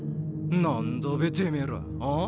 何だべてめぇらあ？